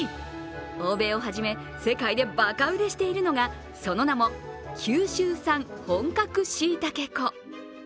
欧米をはじめ、世界でばか売れしているのがその名も、九州産本格椎茸粉。